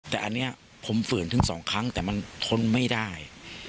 แต่อันนี้ผมฝืนถึง๒ครั้งแต่มันทนไม่ได้